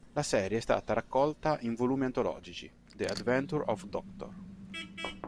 La serie è stata raccolta in volumi antologici, "The Adventures Of Dr.